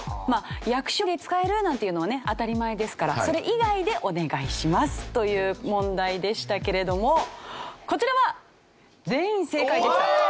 まあ役所で使えるなんていうのは当たり前ですからそれ以外でお願いしますという問題でしたけれどもこちらはおお！